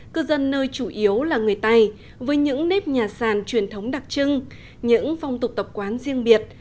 cư dân nơi chủ yếu là người tày với những nếp nhà sàn truyền thống đặc trưng những phong tục tập quán riêng biệt